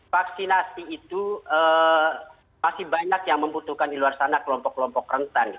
vaksinasi itu masih banyak yang membutuhkan di luar sana kelompok kelompok rentan